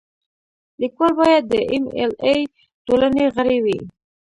لیکوال باید د ایم ایل اې ټولنې غړی وي.